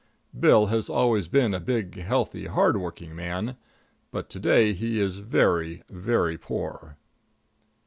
Bill has always been a big, healthy, hard working man, but to day he is very, very poor.